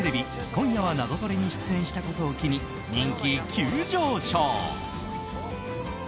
「今夜はナゾトレ」に出演したことを機に人気急上昇。